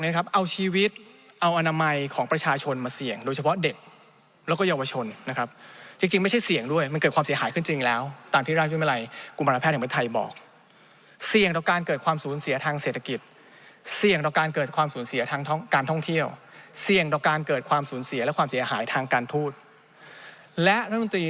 เนี่ยมันมีประกาศมาจากหลายเมืองมากอย่างน้อย